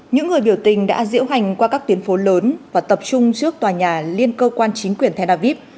những người biểu tình đã diễu hành qua các tuyến phố lớn và tập trung trước tòa nhà liên cơ quan chính quyền tel aviv